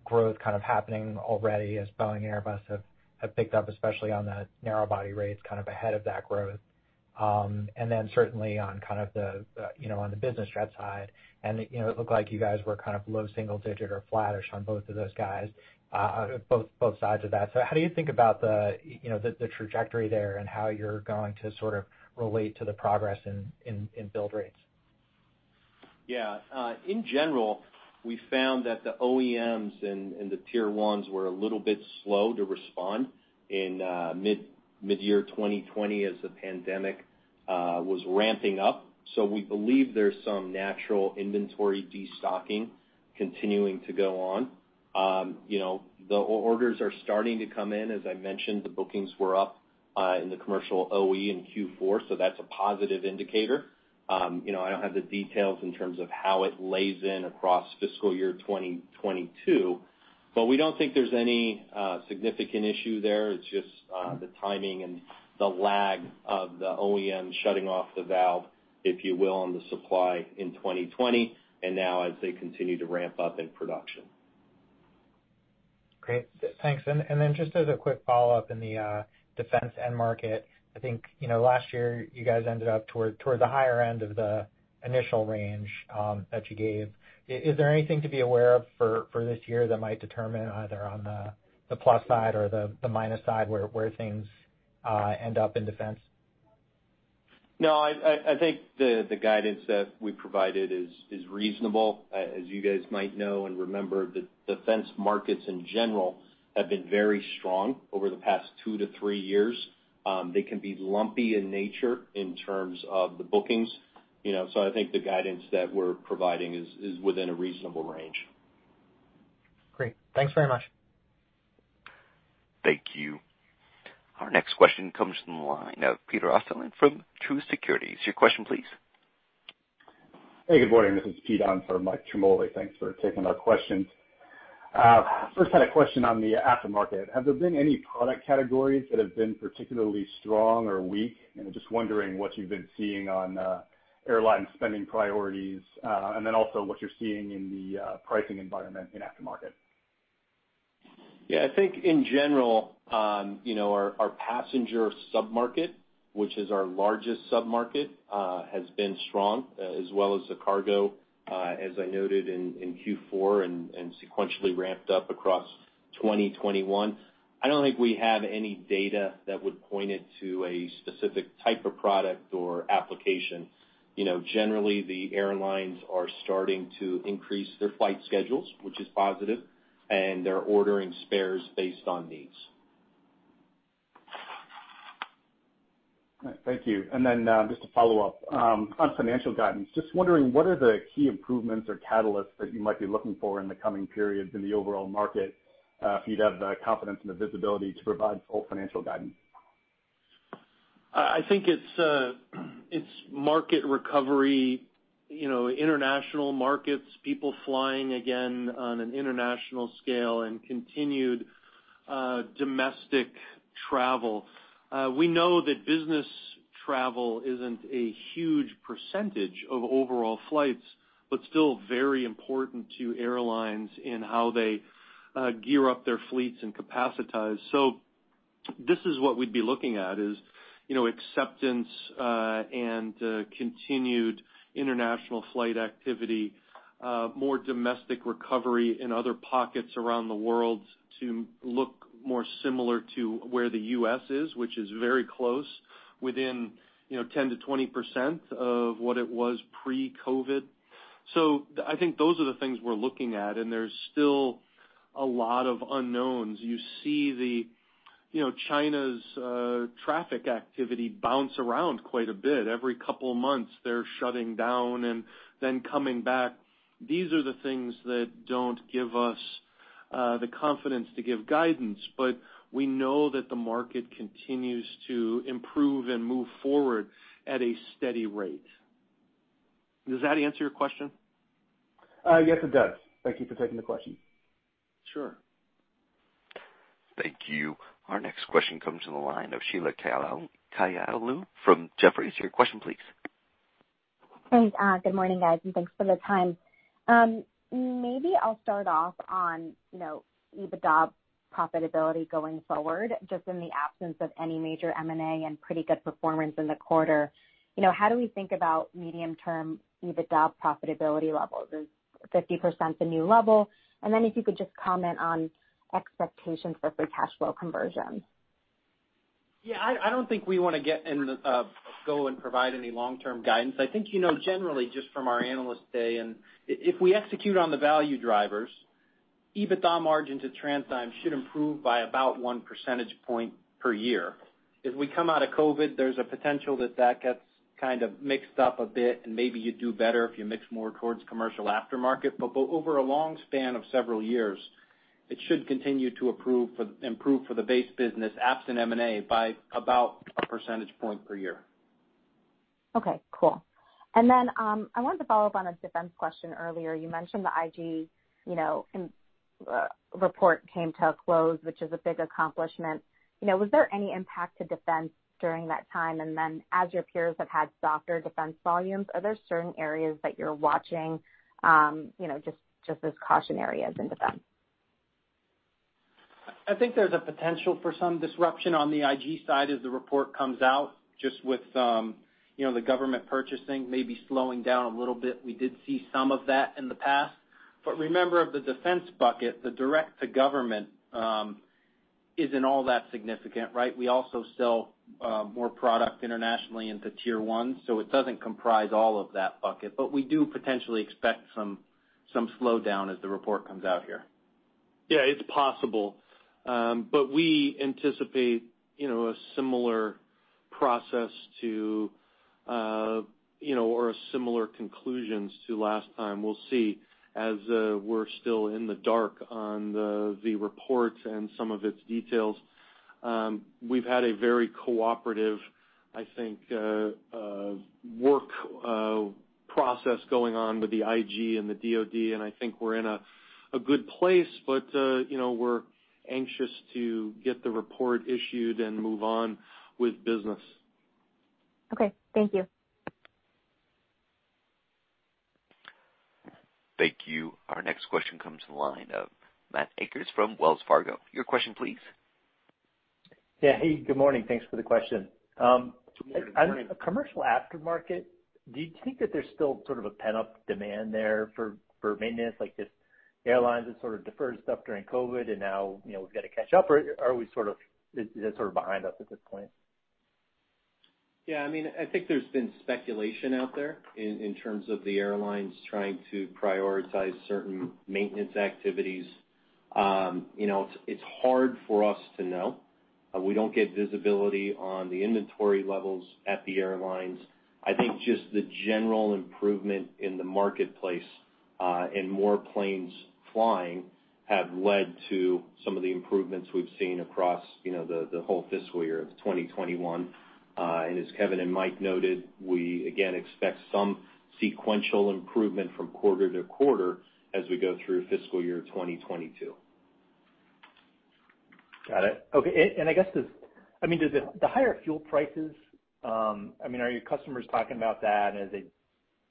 growth kind of happening already as Boeing and Airbus have picked up, especially on the narrow-body rates kind of ahead of that growth. Certainly on kind of the you know on the business jet side and you know it looked like you guys were kind of low single digit or flattish on both of those guys both sides of that. How do you think about the you know the trajectory there and how you're going to sort of relate to the progress in build rates? Yeah. In general, we found that the OEMs and the tier ones were a little bit slow to respond in midyear 2020 as the pandemic was ramping up. We believe there's some natural inventory destocking continuing to go on. You know, the orders are starting to come in. As I mentioned, the bookings were up in the commercial OE in Q4, so that's a positive indicator. You know, I don't have the details in terms of how it lays in across fiscal year 2022, but we don't think there's any significant issue there. It's just the timing and the lag of the OEM shutting off the valve, if you will, on the supply in 2020 and now as they continue to ramp up in production. Great. Thanks. Then just as a quick follow-up in the defense end market, I think, you know, last year you guys ended up toward the higher end of the initial range that you gave. Is there anything to be aware of for this year that might determine either on the plus side or the minus side where things end up in defense? No. I think the guidance that we provided is reasonable. As you guys might know and remember, the defense markets in general have been very strong over the past two to three years. They can be lumpy in nature in terms of the bookings, you know, so I think the guidance that we're providing is within a reasonable range. Great. Thanks very much. Thank you. Our next question comes from the line of Pete Osterland from Truist Securities. Your question please. Hey, good morning. This is Pete from Michael Ciarmoli. Thanks for taking our questions. First, I had a question on the aftermarket. Have there been any product categories that have been particularly strong or weak? Just wondering what you've been seeing on airline spending priorities, and then also what you're seeing in the pricing environment in aftermarket. Yeah. I think in general, you know, our passenger sub-market, which is our largest sub-market, has been strong, as well as the cargo, as I noted in Q4 and sequentially ramped up across 2021. I don't think we have any data that would point it to a specific type of product or application. You know, generally, the airlines are starting to increase their flight schedules, which is positive, and they're ordering spares based on needs. All right. Thank you. Just to follow up on financial guidance, just wondering, what are the key improvements or catalysts that you might be looking for in the coming periods in the overall market, if you'd have the confidence and the visibility to provide full financial guidance? I think it's market recovery, you know, international markets, people flying again on an international scale and continued domestic travel. We know that business travel isn't a huge percentage of overall flights, but still very important to airlines in how they gear up their fleets and capacitize. This is what we'd be looking at, is, you know, acceptance and continued international flight activity, more domestic recovery in other pockets around the world to look more similar to where the U.S. is, which is very close within, you know, 10%-20% of what it was pre-COVID. I think those are the things we're looking at, and there's still a lot of unknowns. You see the, you know, China's traffic activity bounce around quite a bit. Every couple of months, they're shutting down and then coming back. These are the things that don't give us the confidence to give guidance, but we know that the market continues to improve and move forward at a steady rate. Does that answer your question? Yes, it does. Thank you for taking the question. Sure. Thank you. Our next question comes from the line of Sheila Kahyaoglu from Jefferies. Your question please. Thanks. Good morning, guys, and thanks for the time. Maybe I'll start off on, you know, EBITDA profitability going forward, just in the absence of any major M&A and pretty good performance in the quarter. You know, how do we think about medium-term EBITDA profitability levels? Is 50% the new level? If you could just comment on expectations for free cash flow conversion. I don't think we wanna go and provide any long-term guidance. I think, you know, generally just from our analyst day, if we execute on the value drivers, EBITDA margins at TransDigm should improve by about one percentage point per year. As we come out of COVID, there's a potential that that gets kind of mixed up a bit and maybe you do better if you mix more towards commercial aftermarket. Over a long span of several years, it should continue to improve for the base business, absent M&A, by about a percentage point per year. Okay, cool. Then, I wanted to follow up on a defense question earlier. You mentioned the IG report came to a close, which is a big accomplishment. Was there any impact to defense during that time? Then as your peers have had softer defense volumes, are there certain areas that you're watching, just as caution areas in defense? I think there's a potential for some disruption on the IG side as the report comes out, just with, you know, the government purchasing maybe slowing down a little bit. We did see some of that in the past. Remember of the defense bucket, the direct to government, isn't all that significant, right? We also sell more product internationally into tier one, so it doesn't comprise all of that bucket. We do potentially expect some slowdown as the report comes out here. Yeah, it's possible. We anticipate a similar process to or similar conclusions to last time. We'll see, as we're still in the dark on the report and some of its details. We've had a very cooperative work process going on with the IG and the DoD, and I think we're in a good place, but we're anxious to get the report issued and move on with business. Okay. Thank you. Thank you. Our next question comes from the line of Matt Akers from Wells Fargo. Your question please. Yeah. Hey, good morning. Thanks for the question. Good morning. On the commercial aftermarket, do you think that there's still sort of a pent-up demand there for maintenance? Like, if airlines had sort of deferred stuff during COVID and now, you know, we've got to catch up, or is that sort of behind us at this point? Yeah. I mean, I think there's been speculation out there in terms of the airlines trying to prioritize certain maintenance activities. You know, it's hard for us to know. We don't get visibility on the inventory levels at the airlines. I think just the general improvement in the marketplace. More planes flying have led to some of the improvements we've seen across, you know, the whole fiscal year 2021. As Kevin and Mike noted, we again expect some sequential improvement from quarter to quarter as we go through fiscal year 2022. Got it. Okay. I mean, does the higher fuel prices, I mean, are your customers talking about that as they,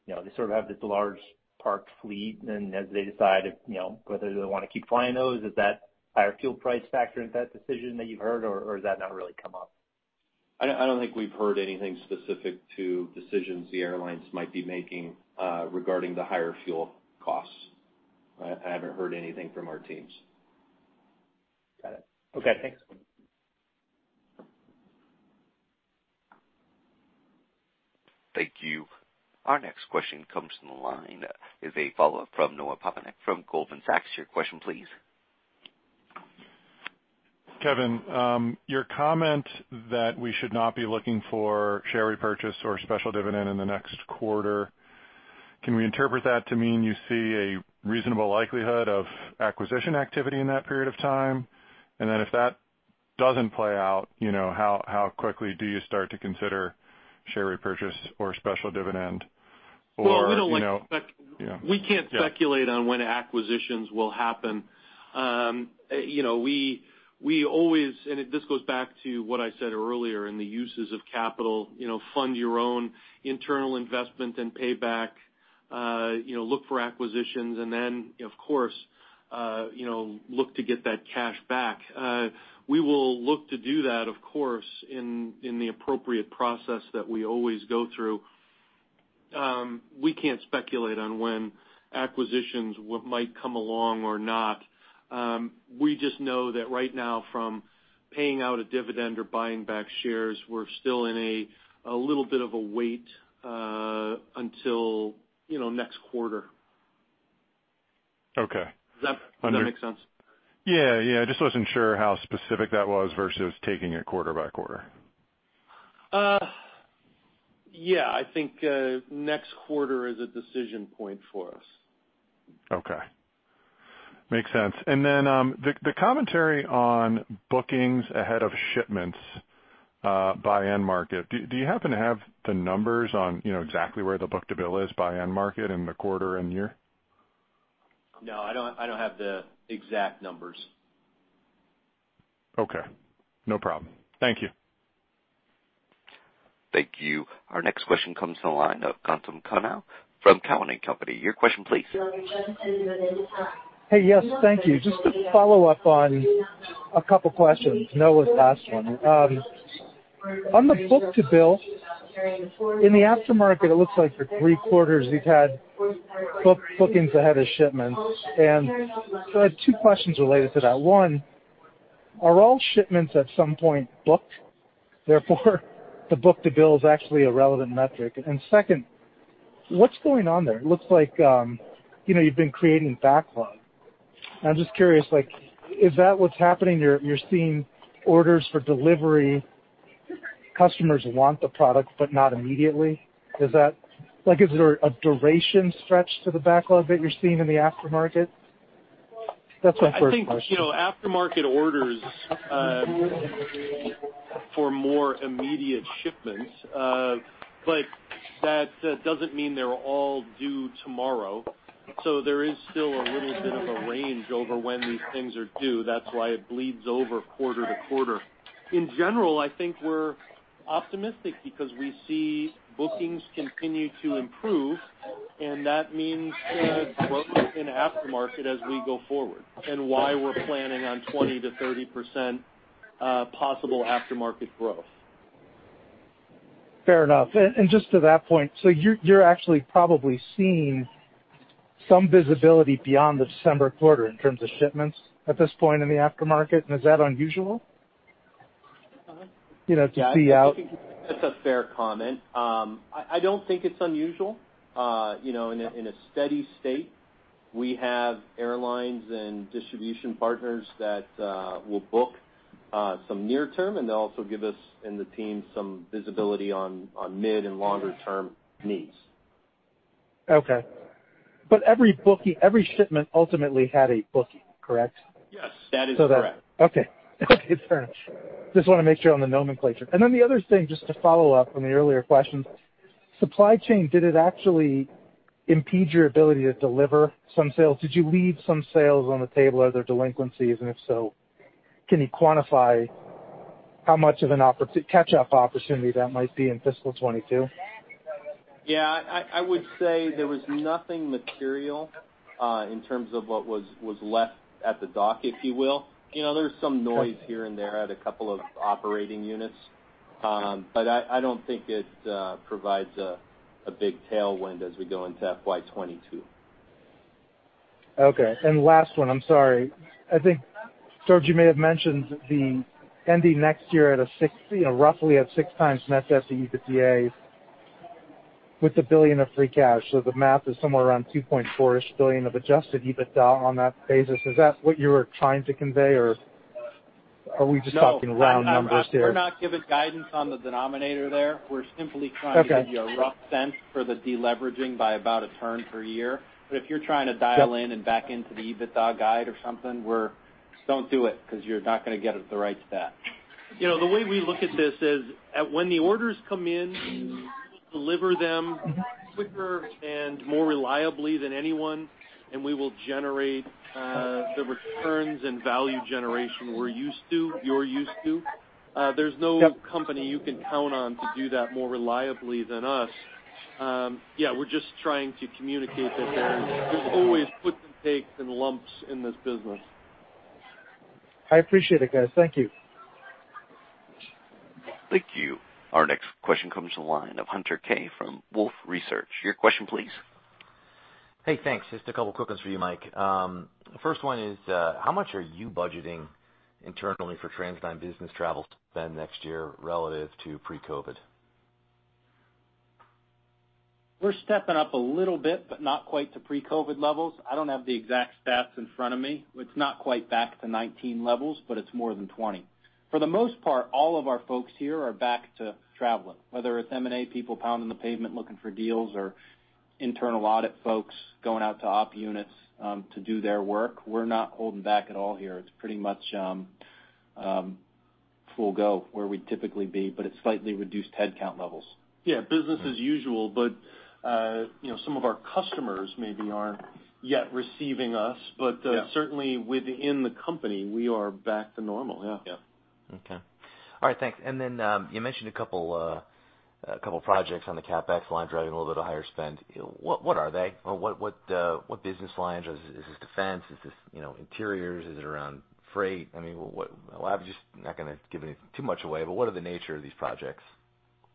you know, they sort of have this large parked fleet, and as they decide if, you know, whether they wanna keep flying those, is that higher fuel price factor in that decision that you've heard, or has that not really come up? I don't think we've heard anything specific to decisions the airlines might be making regarding the higher fuel costs. I haven't heard anything from our teams. Got it. Okay, thanks. Thank you. Our next question comes from the line of a follow-up from Noah Poponak from Goldman Sachs. Your question please. Kevin, your comment that we should not be looking for share repurchase or special dividend in the next quarter. Can we interpret that to mean you see a reasonable likelihood of acquisition activity in that period of time? If that doesn't play out, you know, how quickly do you start to consider share repurchase or special dividend? Well, we don't like spec. Yeah. We can't speculate on when acquisitions will happen. You know, we always go back to what I said earlier in the uses of capital, you know, fund your own internal investment and pay back, you know, look for acquisitions and then, of course, you know, look to get that cash back. We will look to do that, of course, in the appropriate process that we always go through. We can't speculate on when acquisitions might come along or not. We just know that right now from paying out a dividend or buying back shares, we're still in a little bit of a wait until, you know, next quarter. Okay. Does that make sense? Yeah, yeah. I just wasn't sure how specific that was versus taking it quarter by quarter. Yeah. I think, next quarter is a decision point for us. Okay. Makes sense. The commentary on bookings ahead of shipments by end market. Do you happen to have the numbers on, you know, exactly where the book-to-bill is by end market in the quarter and year? No, I don't have the exact numbers. Okay, no problem. Thank you. Thank you. Our next question comes to the line of Gautam Khanna from Cowen and Company. Your question please. Hey. Yes, thank you. Just to follow up on a couple questions. Noah's last one. On the book-to-bill, in the aftermarket, it looks like for three quarters you've had bookings ahead of shipments. I have two questions related to that. One, are all shipments at some point booked? Therefore, the book-to-bill is actually a relevant metric. Second, what's going on there? It looks like, you know, you've been creating backlog. I'm just curious, like, is that what's happening? You're seeing orders for delivery, customers want the product, but not immediately. Is that like, is there a duration stretch to the backlog that you're seeing in the aftermarket? That's my first question. I think, you know, aftermarket orders for more immediate shipments, but that doesn't mean they're all due tomorrow. There is still a little bit of a range over when these things are due. That's why it bleeds over quarter to quarter. In general, I think we're optimistic because we see bookings continue to improve, and that means growth in aftermarket as we go forward and why we're planning on 20%-30% possible aftermarket growth. Fair enough. Just to that point, you're actually probably seeing some visibility beyond the December quarter in terms of shipments at this point in the aftermarket. Is that unusual? You know, to see out- Yeah, I think that's a fair comment. I don't think it's unusual, you know, in a steady state. We have airlines and distribution partners that will book some near term, and they'll also give us and the team some visibility on mid and longer term needs. Okay. Every shipment ultimately had a booking, correct? Yes, that is correct. Okay. Okay, fair enough. Just wanna make sure on the nomenclature. The other thing, just to follow up on the earlier questions, supply chain, did it actually impede your ability to deliver some sales? Did you leave some sales on the table? Are there delinquencies? And if so, can you quantify how much of a catch-up opportunity that might be in fiscal 2022? Yeah. I would say there was nothing material in terms of what was left at the dock, if you will. You know, there's some noise here and there at a couple of operating units. I don't think it provides a big tailwind as we go into FY 2022. Okay. Last one, I'm sorry. I think, Jorge, you may have mentioned debt ending next year at a 60, you know, roughly at 6x net debt to EBITDA with $1 billion of free cash. The math is somewhere around 2.4-ish billion of adjusted EBITDA on that basis. Is that what you were trying to convey or? Are we just talking round numbers there? No, we're not giving guidance on the denominator there. Okay. We're simply trying to give you a rough sense for the deleveraging by about a turn per year. If you're trying to dial in. Yep. back into the EBITDA guide or something. Don't do it, 'cause you're not gonna get it the right stat. You know, the way we look at this is, when the orders come in, deliver them quicker and more reliably than anyone, and we will generate the returns and value generation we're used to, you're used to. There's no company you can count on to do that more reliably than us. Yeah, we're just trying to communicate that there's always puts and takes and lumps in this business. I appreciate it, guys. Thank you. Thank you. Our next question comes to the line of Hunter Keay from Wolfe Research. Your question please. Hey, thanks. Just a couple quick ones for you, Mike. First one is, how much are you budgeting internally for TransDigm business travel spend next year relative to pre-COVID? We're stepping up a little bit, but not quite to pre-COVID levels. I don't have the exact stats in front of me. It's not quite back to 2019 levels, but it's more than 2020. For the most part, all of our folks here are back to traveling, whether it's M&A people pounding the pavement looking for deals or internal audit folks going out to op units to do their work. We're not holding back at all here. It's pretty much full go where we'd typically be, but it's slightly reduced headcount levels. Yeah, business as usual, but you know, some of our customers maybe aren't yet receiving us. Yeah. Certainly within the company, we are back to normal, yeah. Yeah. Okay. All right, thanks. You mentioned a couple projects on the CapEx line driving a little bit of higher spend. What are they? Or what business lines? Is this defense? Is this, you know, interiors? Is it around freight? I mean, well, I'm just not gonna give too much away, but what are the nature of these projects?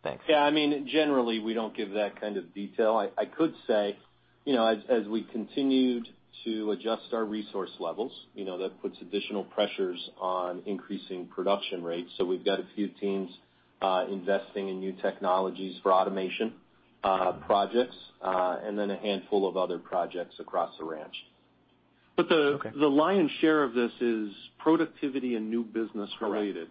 Thanks. Yeah, I mean, generally, we don't give that kind of detail. I could say, you know, as we continued to adjust our resource levels, you know, that puts additional pressures on increasing production rates, so we've got a few teams investing in new technologies for automation projects, and then a handful of other projects across the ranch. But the- Okay. The lion's share of this is productivity and new business related.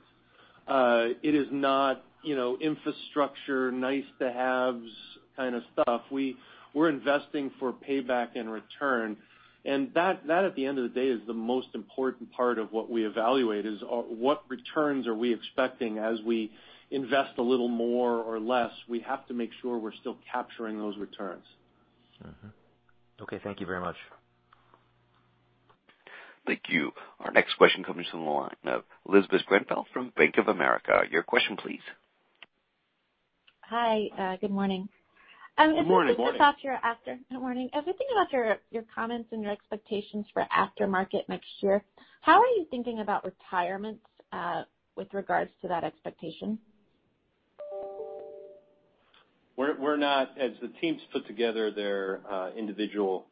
Correct. It is not, you know, infrastructure, nice-to-haves kind of stuff. We're investing for payback and return. That at the end of the day is the most important part of what we evaluate is what returns are we expecting as we invest a little more or less? We have to make sure we're still capturing those returns. Okay, thank you very much. Thank you. Our next question comes from the line of Elizabeth Grenfell from Bank of America. Your question please. Hi. Good morning. Good morning. Morning. Good morning. As we think about your comments and your expectations for aftermarket next year, how are you thinking about retirements with regards to that expectation? As the teams put together their individual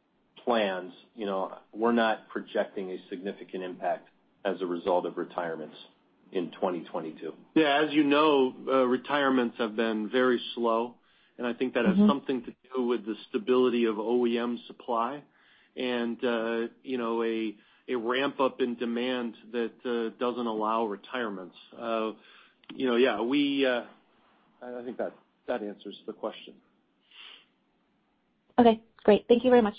plans, you know, we're not projecting a significant impact as a result of retirements in 2022. Yeah, as you know, retirements have been very slow, and I think that. It has something to do with the stability of OEM supply and, you know, a ramp-up in demand that doesn't allow retirements. You know, yeah. I think that answers the question. Okay, great. Thank you very much.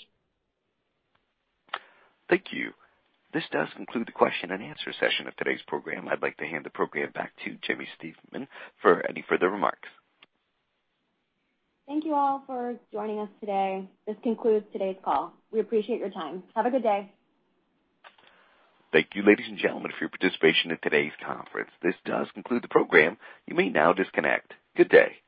Thank you. This does conclude the question-and-answer session of today's program. I'd like to hand the program back to Jaimie Stemen for any further remarks. Thank you all for joining us today. This concludes today's call. We appreciate your time. Have a good day. Thank you, ladies and gentlemen, for your participation in today's conference. This does conclude the program. You may now disconnect. Good day.